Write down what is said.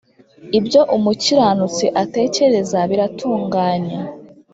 ibyo umukiranutsi atekereza biratunganye,